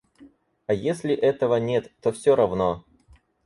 А если этого нет, то всё равно.